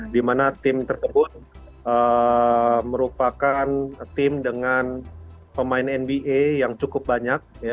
di mana tim tersebut merupakan tim dengan pemain nba yang cukup banyak